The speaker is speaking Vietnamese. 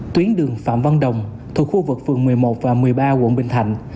tuyến đường phạm văn đồng thuộc khu vực phường một mươi một và một mươi ba quận bình thạnh